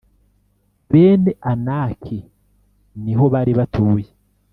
bene Anaki ni ho bari batuye